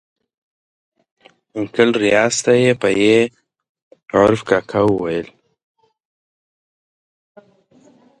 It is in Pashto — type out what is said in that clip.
انکل ریاض ته یې په ي عرف کاکا ویل.